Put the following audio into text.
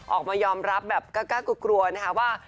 ออกมายอมรับแบบกล้ากลัวนะคะว่า